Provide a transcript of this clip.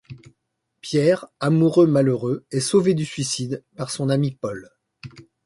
Pierre, amoureux malheureux, est sauvé du suicide par son ami Paul.